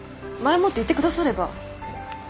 前もって言ってくだされば。